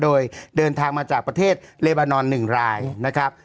โดยเดินทางมาจากประเทศเลบานอน๑รายนะครับ